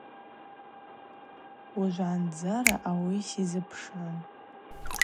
Уыжвгӏандзара ауи сазыпшгӏун.